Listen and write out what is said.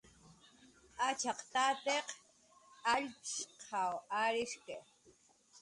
"Achak tatiq allchp""shq arishki"